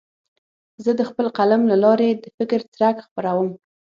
زه د خپل قلم له لارې د فکر څرک خپروم.